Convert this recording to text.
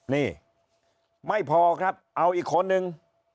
นี่ไม่พอครับเอาอีกคนนึง